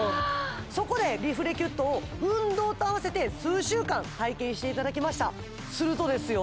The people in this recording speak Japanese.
そこでリフレキュットを運動と合わせて数週間体験していただきましたするとですよ